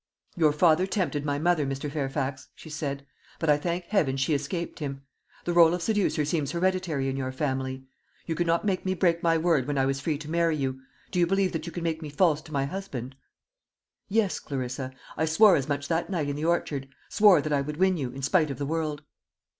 "Your father tempted my mother, Mr. Fairfax," she said, "but I thank Heaven she escaped him. The role of seducer seems hereditary in your family. You could not make me break my word when I was free to marry you; do you believe that you can make me false to my husband?" "Yes, Clarissa. I swore as much that night in the orchard swore that I would win you, in spite of the world."